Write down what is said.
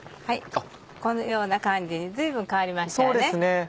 はいこのような感じに随分変わりましたね。